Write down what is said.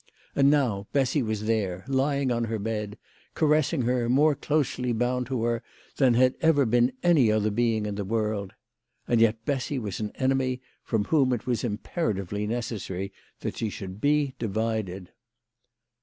And now Bessy was there, lying on her bed, caressing her, more closely bound to her than had ever been any other being in the world, and yet Bessy was an enemy from whom it was impera tively necessary that she should be divided.